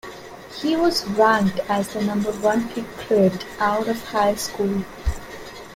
He was ranked as the number one recruit out of high school.